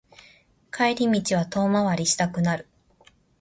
帰り道は遠回りしたくなる